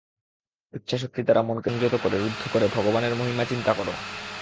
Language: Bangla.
ইচ্ছাশক্তি দ্বারা মনকে সংযত করে, রুদ্ধ করে ভগবানের মহিমা চিন্তা কর।